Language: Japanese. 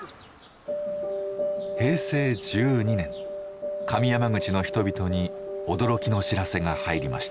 平成１２年上山口の人々に驚きの知らせが入りました。